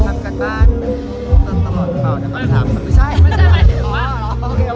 ความปกปริดความมืดแรง